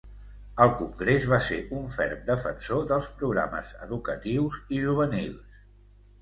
Al Congrés va ser un ferm defensor dels programes educatius i juvenils.